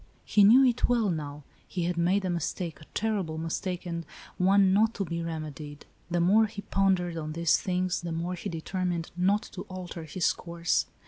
He knew it well, now. He had made a mistake, a terrible mistake, and one not to be remedied. The more he pondered on these things, the more he determined not to alter his course.